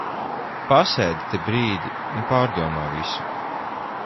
Pasēdi te brīdi un pārdomā visu.